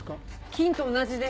「金」と「同じ」です。